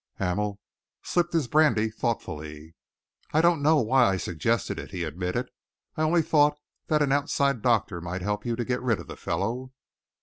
Hamel sipped his brandy thoughtfully. "I don't know why I suggested it," he admitted. "I only thought that an outside doctor might help you to get rid of the fellow."